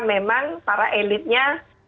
memang para elitnya